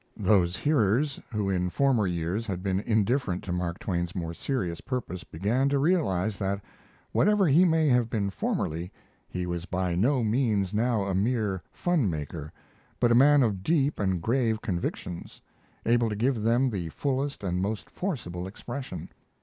Those hearers who in former years had been indifferent to Mark Twain's more serious purpose began to realize that, whatever he may have been formerly, he was by no means now a mere fun maker, but a man of deep and grave convictions, able to give them the fullest and most forcible expression.